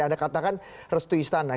anda katakan restu istana